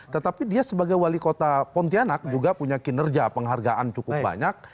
tetapi dia sebagai wali kota pontianak juga punya kinerja penghargaan cukup banyak